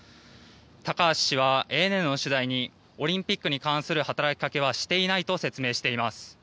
高橋氏はＡＮＮの取材にオリンピックに関する働きかけはしていないと説明しています。